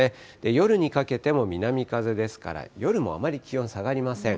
夜にかけても南風ですから、夜もあまり気温下がりません。